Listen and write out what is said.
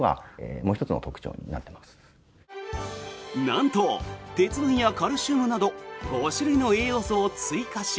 なんと、鉄分やカルシウムなど５種類の栄養素を追加し